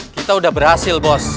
kita udah berhasil bos